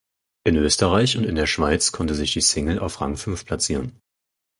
In Österreich und in der Schweiz konnte sich die Single auf Rang fünf platzieren.